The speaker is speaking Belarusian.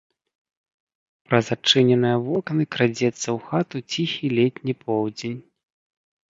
Праз адчыненыя вокны крадзецца ў хату ціхі летні поўдзень.